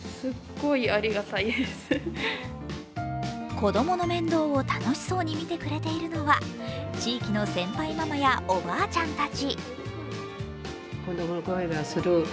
子供の面倒を楽しそうに見てくれているのは、地域の先輩ママやおばあちゃんたち。